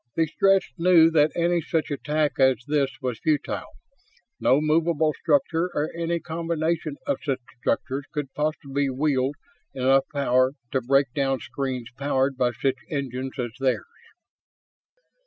The Stretts knew that any such attack as this was futile. No movable structure or any combination of such structures could possibly wield enough power to break down screens powered by such engines as theirs.